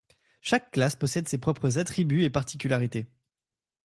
Chaque classe possède ses propres attributs et particularités.